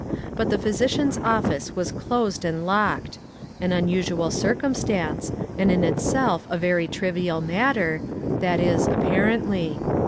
But the physician's office was closed and locked ; an unusual circum stance, and in itself a very trivial matter — that is, apparently.